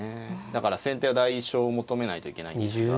だから先手は代償を求めないといけないんですが。